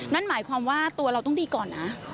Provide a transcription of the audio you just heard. นั่นหมายความว่าตัวเราต้องดีก่อนนะ